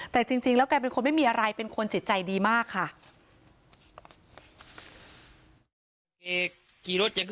แต่จริงแล้วกลายเป็นคนไม่มีอะไรเป็นคนจิตใจดีมากค่ะ